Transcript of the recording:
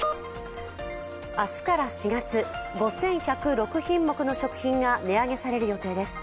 明日から４月、５１０６品目の食品が値上げされる予定です。